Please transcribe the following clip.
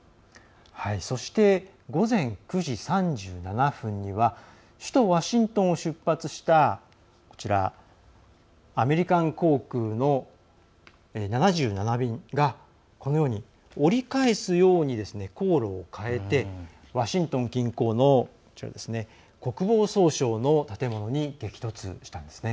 そして午前９時３７分には首都ワシントンを出発したアメリカン航空７７便がこのように折り返すように航路を変えてワシントン近郊の国防総省の建物に激突したんですね。